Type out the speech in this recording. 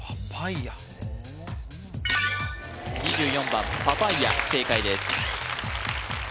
２４番パパイヤ正解です